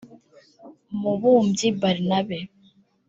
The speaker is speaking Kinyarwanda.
Mubumbyi Barnabe